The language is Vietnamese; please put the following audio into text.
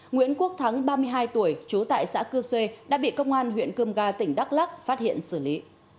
nguyễn quốc thắng ba mươi hai tuổi trú tại xã cư xuê đã bị công an huyện cơm gà tỉnh đắk lắc phát hiện xử lý